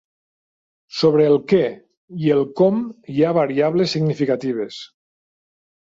Sobre el què i el com hi ha variables significatives.